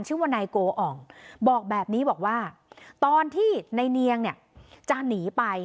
ชื่อว่านายโกอ่องบอกแบบนี้บอกว่าตอนที่ในเนียงเนี่ยจะหนีไป